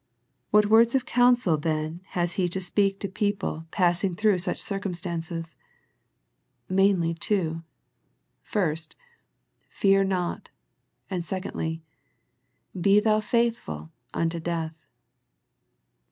What words of counsel then has He to speak The Smyrna Letter 71 to people passing through such circumstances ? Mainly two. First, Fear not," and secondly, " Be thou faithful unto death."